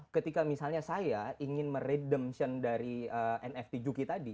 ketika misalnya saya ingin meredumption dari nft juki tadi